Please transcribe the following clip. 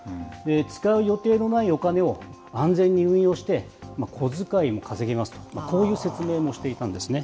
使う予定のないお金を安全に運用して、小遣いも稼ぎますと、こういう説明もしていたんですね。